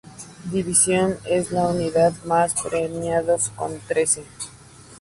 Davidson es la universidad con más premiados con trece.